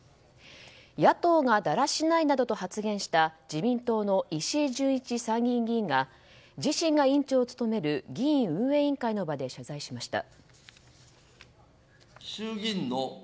野党がだらしないなどと発言した自民党の石井準一参議院議員が自身が委員長を務める議院運営委員会の場で謝罪しました。